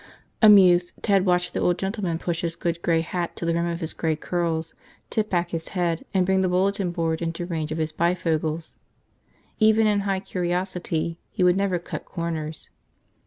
Amused, Ted watched the old gentleman push his good gray hat to the rim of his gray curls, tip back his head, and bring the bulletin board into range of his bifocals. Even in high curiosity, he would never cut corners.